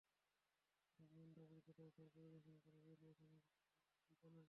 পরে গোয়েন্দা পুলিশ ঘটনাস্থল পরিদর্শন করে রেলওয়ে থানার পুলিশকে বিষয়টি জানায়।